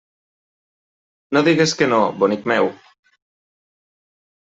No digues que no, bonic meu.